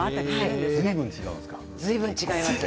ずいぶん違いますよ。